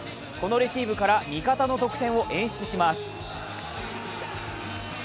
このレシーブから味方の得点を演出します。